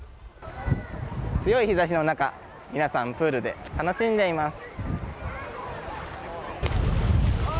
強い日差しの中皆さん、プールで楽しんでいます。